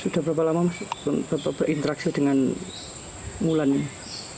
sudah berapa lama mas bapak berinteraksi dengan mulan ini